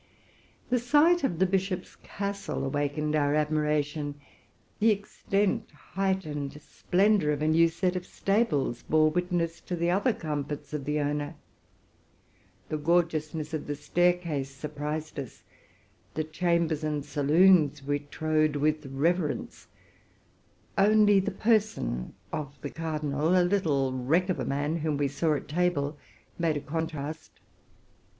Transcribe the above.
The sight of the bishop's castle awakened our admiration: the extent, height, and splendor of a new set of stables bore witness to the other comforts of the owner. 'The gorgeousness of the staircase surprised us; the chambers and saloons we trod with reverence; only the person of the cardinal, a little wreck of a man, whom we saw at table, made a contrast.